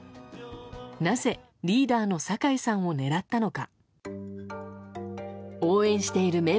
なぜ、リーダーの酒井さんを狙ったのか？